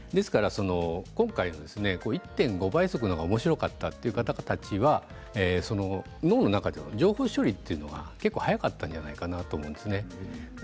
今回の１．５倍速の方がおもしろかったという方たちは脳の中では情報処理が結構速かったんじゃないかなと思います。